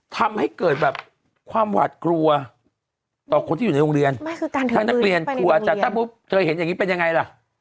ทำให้เกิดแบบความหวัดกลัวต่อคนที่อยู่ในโรงเรียนไม่คือการถือปืนไปในโรงเรียนถ้าพูดเธอเห็นอย่างงี้เป็นยังไงล่ะ